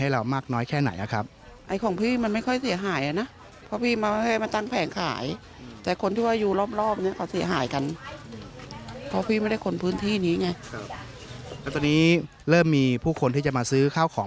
แล้วตอนนี้เริ่มมีผู้คนที่จะมาซื้อข้าวของ